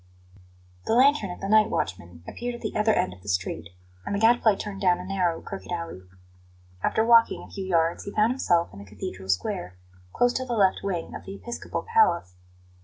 The lantern of the night watchman appeared at the other end of the street, and the Gadfly turned down a narrow, crooked alley. After walking a few yards he found himself in the Cathedral Square, close to the left wing of the episcopal palace.